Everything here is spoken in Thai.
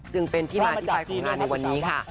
จึงเป็นที่มาที่ไปของงานในวันนี้ค่ะ